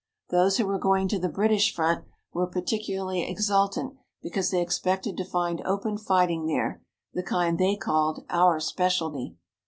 Those who were going to the British front were particularly exultant because they expected to find open fighting there, the kind they called "our specialty."